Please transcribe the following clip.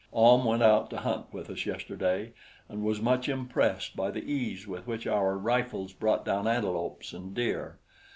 Ahm went out to hunt with us yesterday and was much impressed by the ease with which our rifles brought down antelopes and deer.